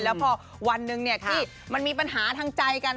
แล้วพอวันหนึ่งที่มันมีปัญหาทางใจกัน